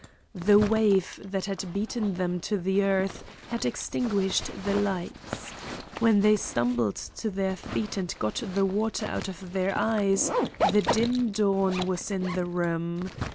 The wave that had beaten them to earth had extinguished the lights. When they stumbled to their feet and got the water out of their eyes the dim dawn was in the room.